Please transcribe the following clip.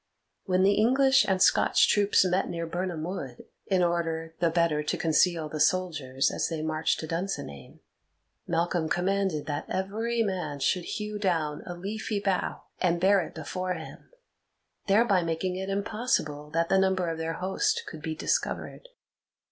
When the English and Scotch troops met near Birnam Wood, in order the better to conceal the soldiers as they marched to Dunsinane, Malcolm commanded that every man should hew down a leafy bough, and bear it before him, thereby making it impossible that the number of their host could be discovered.